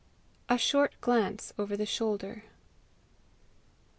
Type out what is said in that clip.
A SHORT GLANCE OVER THE SHOULDER.